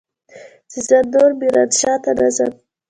چې زه نور ميرانشاه ته نه ځم.